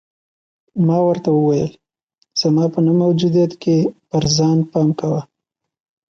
ما ورته وویل: زما په نه موجودیت کې پر ځان پام کوه.